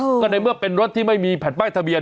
ก็ในเมื่อเป็นรถที่ไม่มีแผ่นป้ายทะเบีย